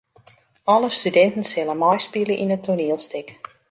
Alle studinten sille meispylje yn it toanielstik.